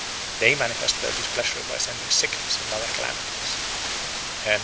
They manifest their displeasure by sending sickness and other calamities.